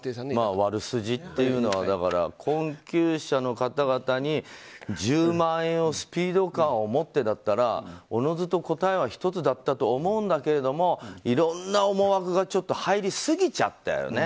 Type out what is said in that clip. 悪筋っていうのは困窮者の方々に１０万円をスピード感を持ってだったらおのずと答えは１つだったと思うんだけどもいろんな思惑が入りすぎちゃったよね。